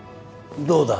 どうだ？